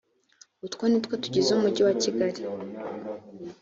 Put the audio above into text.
utwo nitwo tugize umujyi wa kigali.